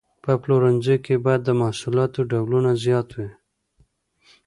په پلورنځي کې باید د محصولاتو ډولونه زیات وي.